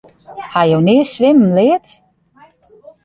Ha jo nea swimmen leard?